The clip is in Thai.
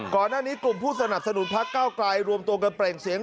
ก่อนหน้านี้กลุ่มผู้สนับสนุนพักเก้าไกลรวมตัวกันเปล่งเสียง